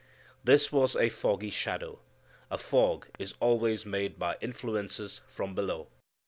This was a foggy shadow. A fog is always made by influences from below.